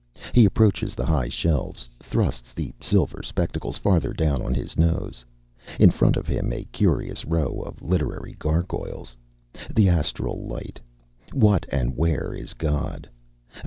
He approaches the high shelves, thrusts the silver spectacles farther down on his nose. In front of him a curious row of literary gargoyles "The Astral Light," "What and Where Is God?"